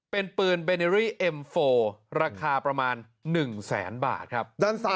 เป็นลูกทรองยาวนะครับ